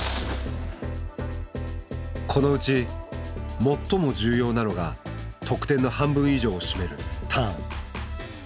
このうち最も重要なのが得点の半分以上を占めるターン。